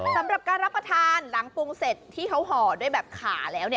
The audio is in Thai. สำหรับการรับประทานหลังปรุงเสร็จที่เขาห่อด้วยแบบขาแล้ว